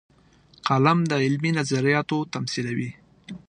قلم د علمي نظریاتو تمثیلوي